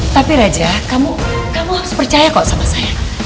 tapi raja kamu harus percaya kok sama saya